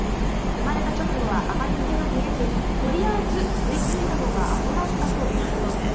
生まれた直後はあまり目が見えずとりあえず吸いついたのがあごだったということです。